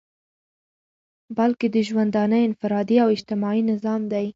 بلكي دژوندانه انفرادي او اجتماعي نظام دى